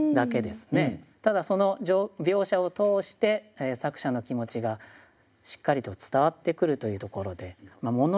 ただその描写を通して作者の気持ちがしっかりと伝わってくるというところで。